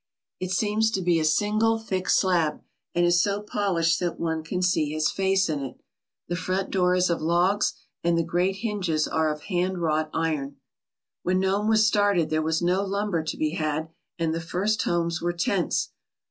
It seems to be a single thick slab and is so polished that one can see his face in it. The front door is of logs and the great hinges are of hand wrought iron. When Nome was started there was no lumber to be had, and the first homes were tents.